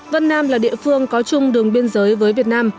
vân nam là địa phương có chung đường biên giới với việt nam